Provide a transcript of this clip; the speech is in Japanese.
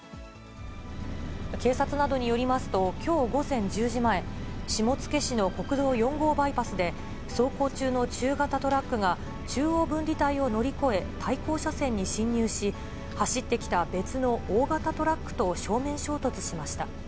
警察などによりますと、きょう午前１０時前、下野市の国道４号バイパスで、走行中の中型トラックが中央分離帯を乗り越え、対向車線に進入し、走ってきた別の大型トラックと正面衝突しました。